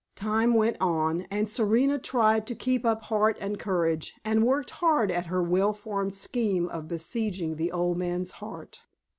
Time went on, and Serena tried to keep up heart and courage, and worked hard at her well formed scheme of besieging the old man's heart.